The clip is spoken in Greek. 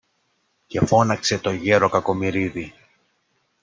Και φώναξε το γερο-Κακομοιρίδη